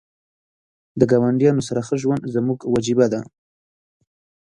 د ګاونډیانو سره ښه ژوند زموږ وجیبه ده .